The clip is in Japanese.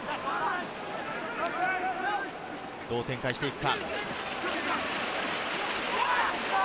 どう展開していくか。